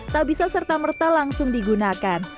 tak bisa serta merta langsung digunakan